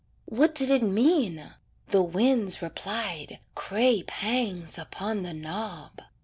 What did it mean? The winds replied "Crape hangs upon the knob."